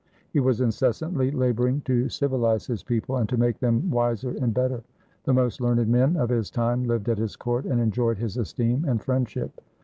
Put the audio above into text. He was incessantly laboring to civilize his people, and to make them wiser and better. The most learned men of his time lived at his court, and enjoyed his esteem and friendship.